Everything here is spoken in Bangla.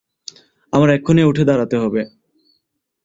আমার এক্ষুণি উঠে দাঁড়াতে হবে।